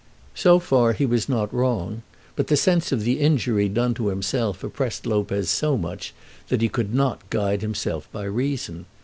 So far he was not wrong; but the sense of the injury done to himself oppressed Lopez so much that he could not guide himself by reason.